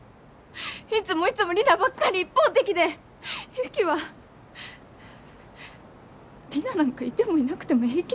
いつもいつもリナばっかり一方的で雪はリナなんかいてもいなくても平気なんでしょ！